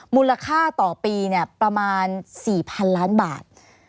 มูลค่าต่อปีประมาณ๔๐๐๐ล้านบาท